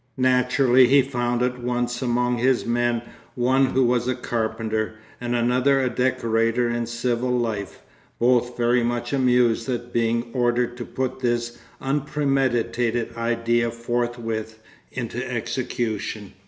Naturally he found at once among his men one who was a carpenter and another a decorator in civil life, both very much amused at being ordered to put this unpremeditated idea forthwith into execution.